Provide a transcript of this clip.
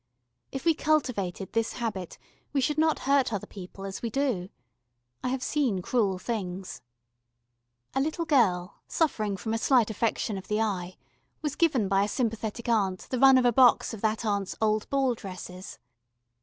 If we cultivated this habit we should not hurt other people as we do. I have seen cruel things. A little girl, suffering from a slight affection of the eye, was given by a sympathetic aunt the run of a box of that aunt's old ball dresses.